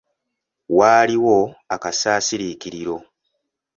Waaliwo akasasirikiriro.